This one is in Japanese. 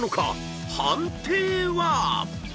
［判定は⁉］